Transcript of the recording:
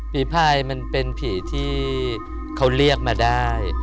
ภายมันเป็นผีที่เขาเรียกมาได้